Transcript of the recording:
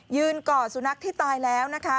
ยืนก่อสุนัขที่ตายแล้ว